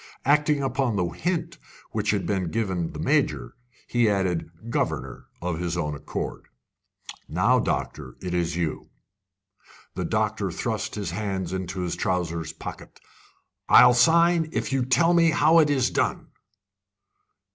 Acting on the hint which had been given the Major, he added "Governor" of his own accord. "Now, doctor, it is you." The doctor thrust his hands into his trousers' pockets. "I'll sign, if you'll tell me how it is done."